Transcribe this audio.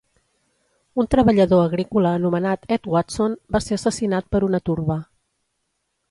Un treballador agrícola anomenat Edd Watson va ser assassinat per una turba.